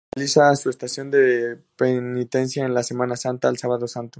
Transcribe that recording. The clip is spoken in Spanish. Realiza su estación de penitencia en la Semana Santa el Sábado Santo.